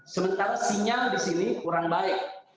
sementara sinyal di sini kurang baik